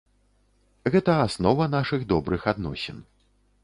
Гэта аснова нашых добрых адносін.